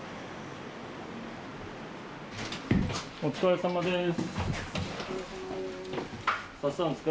お疲れさまです。